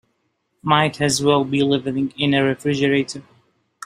Might as well be living in a refrigerator.